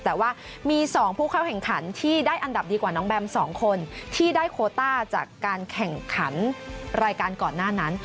แต่ว่ามี๒ผู้เข้าแข่งขันที่ได้อันดับดีกว่าน้องแบม๒คนที่ได้โคต้าจากการแข่งขันรายการก่อนหน้านั้น